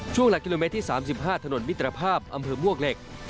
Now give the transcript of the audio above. หลักกิโลเมตรที่๓๕ถนนมิตรภาพอำเภอมวกเหล็ก